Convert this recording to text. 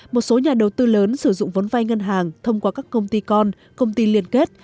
một số nhà đầu tư lớn sử dụng vốn vai ngân hàng thông qua các công ty con công ty liên kết